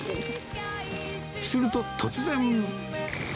すると、突然。